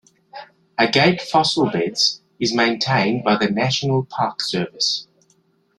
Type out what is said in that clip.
Agate Fossil Beds is maintained by the National Park Service.